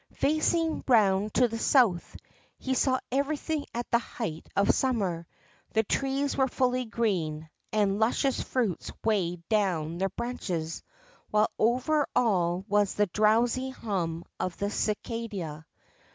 Facing round to the south, he saw everything at the height of Summer. The trees were fully green, and luscious fruits weighed down their branches, while over all was the drowsy hum of the cicada.